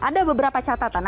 ada beberapa catatan